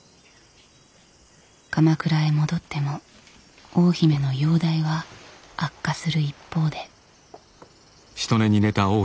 鎌倉へ戻っても大姫の容体は悪化する一方で。